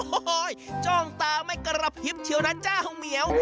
โอ้โหจ้องตาไม่กระพริบเชียวนั้นเจ้าเหมียว